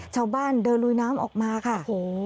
ชาวบ้านเดินลุยน้ำออกมาค่ะโอ้โห